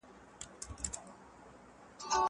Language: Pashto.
زه مېوې نه وچوم!؟